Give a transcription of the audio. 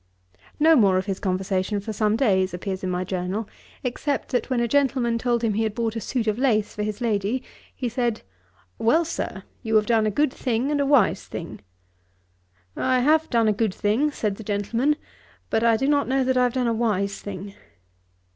No more of his conversation for some days appears in my journal, except that when a gentleman told him he had bought a suit of lace for his lady, he said, 'Well, Sir, you have done a good thing and a wise thing.' 'I have done a good thing, (said the gentleman,) but I do not know that I have done a wise thing.'